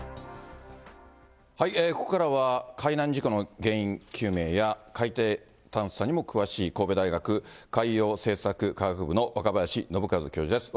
ここからは、海難事故の原因究明や海底探査にも詳しい神戸大学海洋政策科学部、若林伸和教授です。